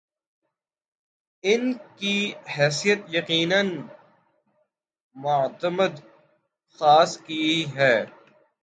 ‘ ان کی حیثیت یقینا معتمد خاص کی ہے۔